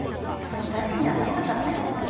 そういうタイプには見えなかったよ。